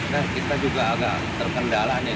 kita juga agak terkendala aja